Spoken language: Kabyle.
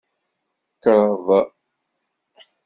Kreḍ.